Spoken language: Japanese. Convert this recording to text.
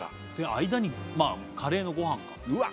間にカレーのご飯かうわ